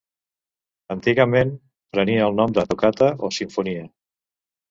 Antigament prenia el nom de tocata o simfonia.